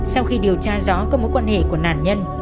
sau khi điều tra rõ các mối quan hệ của nạn nhân